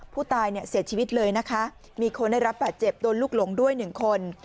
ผู้ตายเนี่ยเสียชีวิตเลยนะคะมีคนได้รับบาดเจ็บโดนลูกหลงด้วยหนึ่งคน